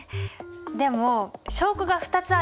でも証拠が２つあるの。